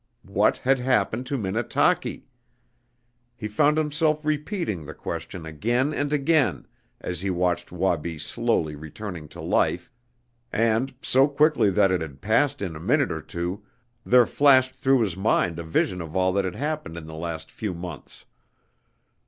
What had happened to Minnetaki? He found himself repeating the question again and again as he watched Wabi slowly returning to life, and, so quickly that it had passed in a minute or two, there flashed through his mind a vision of all that had happened the last few months.